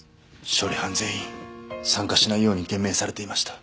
処理班全員参加しないように厳命されていました。